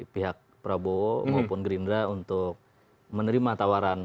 pihak prabowo maupun gerindra untuk menerima tawaran